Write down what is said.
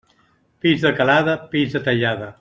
Peix de calada, peix de tallada.